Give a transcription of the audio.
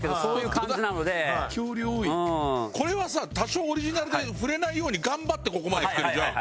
これはさ多少オリジナルで触れないように頑張ってここまできてるじゃん。